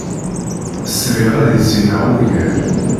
Sriɣ ad issineɣ ugar.